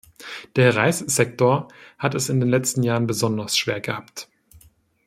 Der Reissektor hat es in den letzten Jahren besonders schwer gehabt.